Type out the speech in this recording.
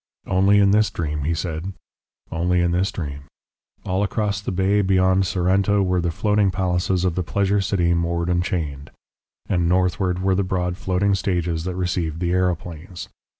"Only in this dream," he said, "only in this dream. All across the bay beyond Sorrento were the floating palaces of the Pleasure City moored and chained. And northward were the broad floating stages that received the aeroplanes.